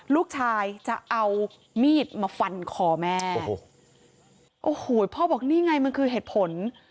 ลูกชายจะเอามีดมาฟันคอแม่โอ้โหพ่อบอกนี่ไงมันคือเหตุผล